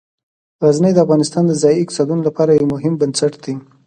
غزني د افغانستان د ځایي اقتصادونو لپاره یو مهم بنسټ دی.